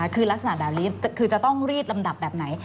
คือลักษณะแบบนี้คือจะต้องรีดลำดับแบบไหน